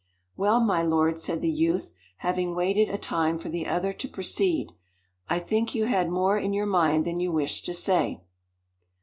"Well, my lord," said the youth having waited a time for the other to proceed, "I think you had more in your mind that you wished to say."